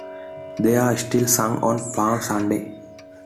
They are still sung on Palm Sunday.